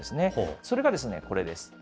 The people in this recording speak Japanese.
それがこれです。